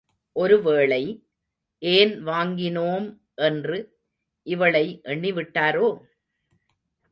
ஒருவேளை, ஏன் வாங்கினோம் என்று இவளை எண்ணிவிட்டாரோ?